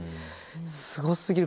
すごすぎる！